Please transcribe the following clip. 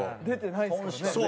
出てないですからね。